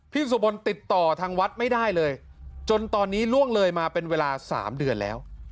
สุบลติดต่อทางวัดไม่ได้เลยจนตอนนี้ล่วงเลยมาเป็นเวลา๓เดือนแล้ว